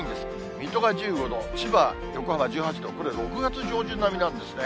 水戸が１５度、千葉、横浜１８度、これ、６月上旬並みなんですね。